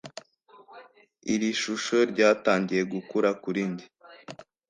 Iri shusho ryatangiye gukura kuri njye